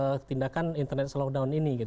tidak dapat dilakukan internet slowdown ini